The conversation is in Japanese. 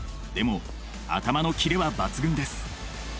でも頭のキレは抜群です。